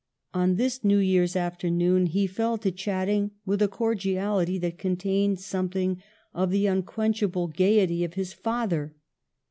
On this New Year's afternoon he fell to chatting with a cor diality that contained something of the un quenchable gaiety of his father.